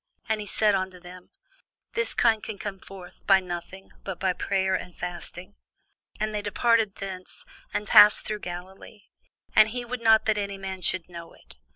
And he said unto them, This kind can come forth by nothing, but by prayer and fasting. And they departed thence, and passed through Galilee; and he would not that any man should know it.